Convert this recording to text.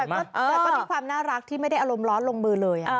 แต่ก็มีความน่ารักที่ไม่ได้อารมณ์ร้อนลงมือเลย